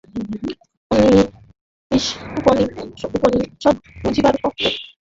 উপনিষদ বুঝিবার পক্ষে এই-সকল বাধাবিঘ্ন আছে।